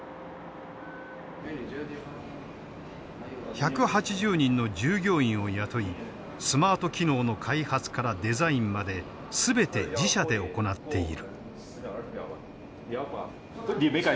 １８０人の従業員を雇いスマート機能の開発からデザインまで全て自社で行っている。